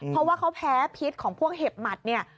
เพราะว่าเขาแพ้พิษของพวกเห็บหมัดเนี่ย